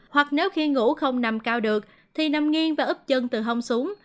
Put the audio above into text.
hoặc nếu khi ngủ không nằm cao được thì nằm nghiêng và ướp chân từ hông xuống